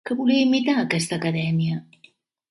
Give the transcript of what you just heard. Què volia imitar aquesta Acadèmia?